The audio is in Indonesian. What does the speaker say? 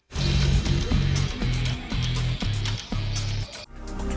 semuanya dari mvm